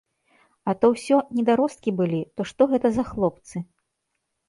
А то ўсё недаросткі былі, то што гэта за хлопцы!